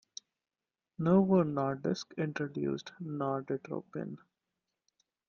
Novo Nordisk introduced Norditropin.